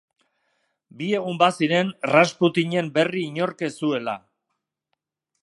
Bi egun baziren Rasputinen berri inork ez zuela.